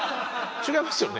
違いますね。